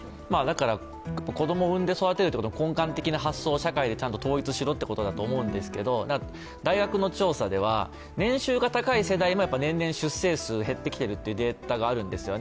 子供を産んで育てるというのは根幹的な発想を社会でちゃんと統一しろということだと思うんですけど、大学の調査では年収が高い世代ほど年々、出生数が減ってきているというデータがあるんですよね。